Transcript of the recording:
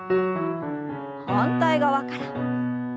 反対側から。